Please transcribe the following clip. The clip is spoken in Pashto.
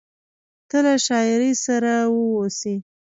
ته له شاعري سره واوسې…